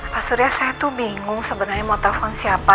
pak surya saya tuh bingung sebenarnya mau telepon siapa